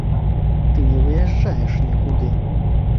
Ты не выязджаеш нікуды.